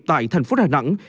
tại thành phố đà nẵng